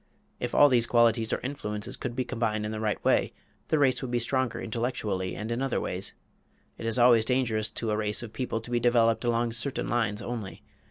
If all these qualities or influences could be combined in the right way, the race would be stronger intellectually and in other ways. It is always dangerous to a race of people to be developed along certain lines only.